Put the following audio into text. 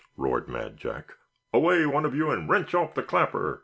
roared Mad Jack; "away, one of you, and wrench off the clapper!"